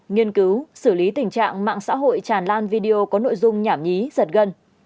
nghiên cứu xử lý tình trạng mạng xã hội tràn lan video có nội dung nhảm nhí giật gân